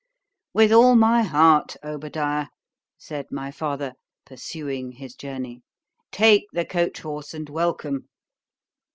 —With all my heart, Obadiah, said my father (pursuing his journey)—take the coach horse, and welcome.